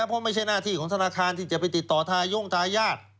เพราะไม่ใช่หน้าที่ของธนาคารที่จะไปติดต่อทาย่งทายาท